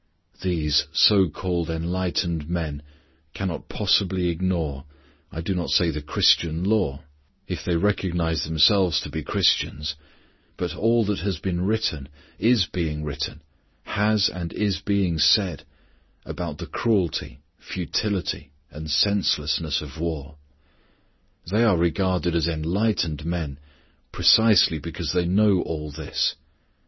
These so called enlightened men cannot possibly ignore, I do not say the Christian law, if they recognize themselves to be Christians, but all that has been written, is being written, has and is being said, about the cruelty, futility, and senselessness of war. They are regarded as enlightened men precisely because they know all this.